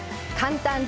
簡単！